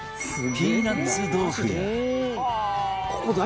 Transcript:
ピーナッツ豆腐や